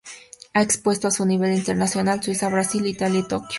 Ha expuesto a nivel internacional: Suiza, Brasil, Italia y Tokio.